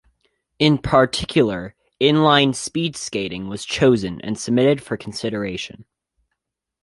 In particular, Inline Speedskating was chosen and submitted for consideration.